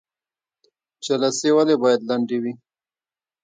جلسې ولې باید لنډې وي؟